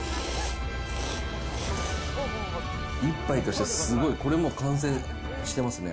一杯としてすごい、これもう完成してますね。